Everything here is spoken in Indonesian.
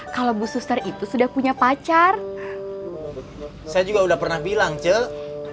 kalau bu suster itu sudah punya pacar saya juga udah pernah bilang cek